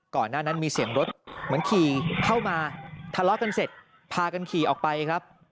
ก่อนหน้านั้นมีเสียงรถเหมือนขี่เข้ามาทะเลาะกันเสร็จพากันขี่ออกไปครับ